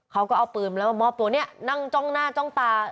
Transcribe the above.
เขาก็เอาปืนแล้วมามอบตัวเนี่ยนั่งจ้องหน้าจ้องตา